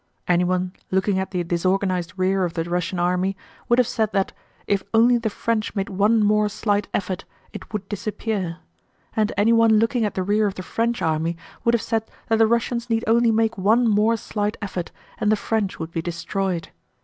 Anyone looking at the disorganized rear of the Russian army would have said that, if only the French made one more slight effort, it would disappear; and anyone looking at the rear of the French army would have said that the Russians need only make one more slight effort and the French would be destroyed.